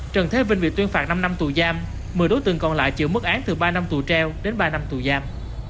trần thế vinh bị tuyên phạt năm năm tù giam một mươi đối tượng còn lại chịu mức án từ ba năm tù treo đến ba năm tù giam